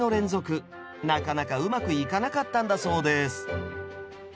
なかなかうまくいかなかったんだそうです